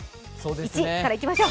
１位からまいりましょう。